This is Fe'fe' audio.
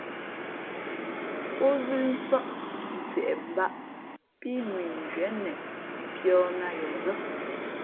Pózʉ́ nsάʼ ntieʼ mbāʼ pí mʉnzhwíé neʼ si pīᾱ nā yαα lά.